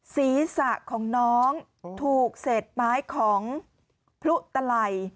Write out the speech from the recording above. ศีรษะของน้องถูกเศษไม้ของพลุตลัย